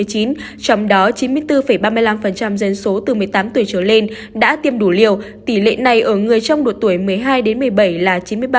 trong đó chín mươi bốn ba mươi năm dân số từ một mươi tám tuổi trở lên đã tiêm đủ liều tỷ lệ này ở người trong độ tuổi một mươi hai đến một mươi bảy là chín mươi ba